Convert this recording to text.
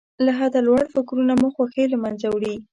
له حده لوړ فکرونه مو خوښۍ له منځه وړي.